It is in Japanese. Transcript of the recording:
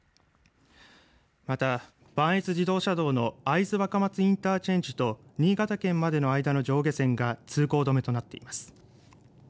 また、磐越自動車道の会津若松インターチェンジと新潟県までの間の上下線が通行止めとなっています。